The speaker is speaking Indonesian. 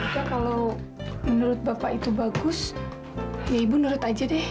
ya kalau menurut bapak itu bagus ya ibu nurut aja deh